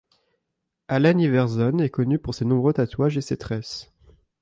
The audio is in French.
Allen Iverson est connu pour ses nombreux tatouages et ses tresses.